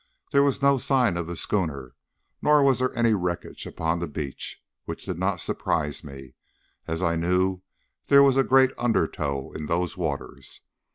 There was no sign of the schooner, nor was there any wreckage upon the beach, which did not surprise me, as I knew there was a great undertow in those waters.